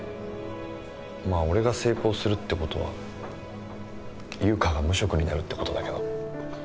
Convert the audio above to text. まあ俺が成功するって事は優香は無職になるって事だけど。